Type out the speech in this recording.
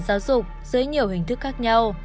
giáo dục dưới nhiều hình thức khác nhau